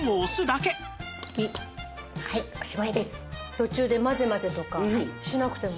途中で混ぜ混ぜとかしなくても。